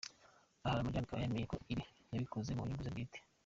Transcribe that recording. Aha Ramjaane akaba yemeye ko ibi yabikoze mu nyungu ze bwite.